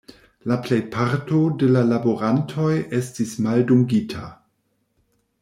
La plejparto de la laborantoj estis maldungita.